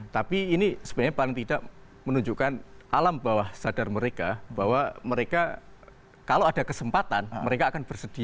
tapi ini sebenarnya paling tidak menunjukkan alam bawah sadar mereka bahwa mereka kalau ada kesempatan mereka akan bersedia